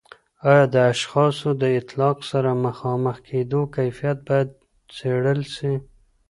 آیا د اشخاصو د طلاق سره مخامخ کیدو کیفیت باید څیړل سي؟